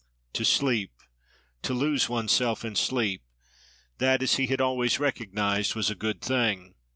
To sleep, to lose one's self in sleep—that, as he had always recognised, was a good thing.